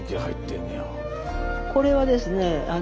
これはですね